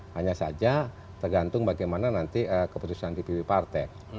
hanya saja tergantung bagaimana nanti keputusan dpp partai